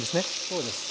そうです。